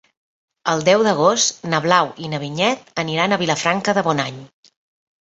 El deu d'agost na Blau i na Vinyet aniran a Vilafranca de Bonany.